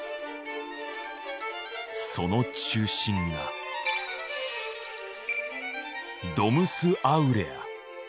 その中心がドムス・アウレア。